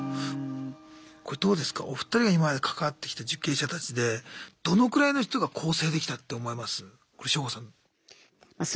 これどうですかお二人が今まで関わってきた受刑者たちでどのくらいの人が更生できたって思います？